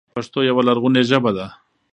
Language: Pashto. پښتو يوه لرغونې ژبه ده،